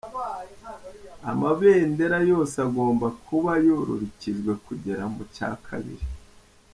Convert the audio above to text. Amabendera yose agomba kuba yururukijwe kugera mu cya kabiri.